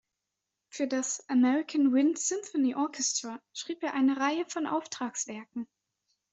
Für das "American Wind Symphony Orchestra" schrieb er eine Reihe von Auftragswerken.